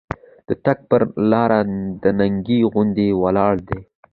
د تګ پر لارې دنګې غونډۍ ولاړې دي.